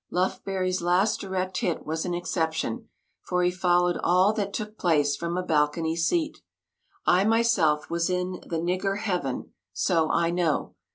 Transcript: Lufbery's last direct hit was an exception, for he followed all that took place from a balcony seat. I myself was in the "nigger heaven," so I know.